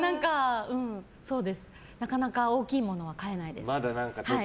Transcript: なかなか大きいものは買えないです。